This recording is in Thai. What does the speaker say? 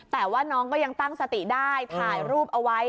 แต่ว่าน้องก็ยังตั้งสติได้ถ่ายรูปเอาไว้